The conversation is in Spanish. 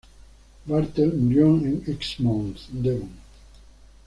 Bartlett murió en Exmouth, Devon.